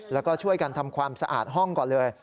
แล้วก็ช่วยกันทำความสะอาดห้องก่อนเลย